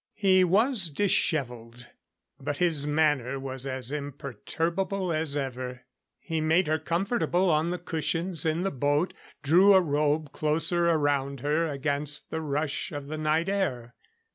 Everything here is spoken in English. He was disheveled, but his manner was as imperturbable as ever. He made her comfortable on the cushions in the boat; drew a robe closer around her against the rush of the night air.